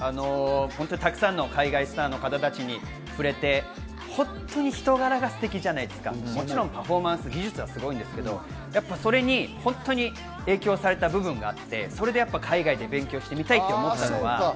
たくさんの海外スターの方たちに触れて、本当に人柄がステキじゃないですか、もちろんパフォーマンス、技術はすごいんですけど、それに影響されていた部分があって、それで海外で勉強してみたいって思いになって。